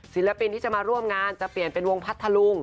ศิลปินที่จะมาร่วมงานจะเปลี่ยนเป็นวงพัทธลุง